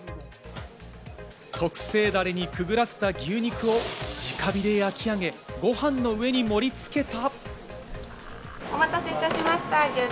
特製ダレにくぐらせた牛肉を直火で焼き上げ、ご飯の上に盛りつけた。